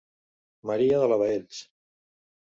Maria de la Baells.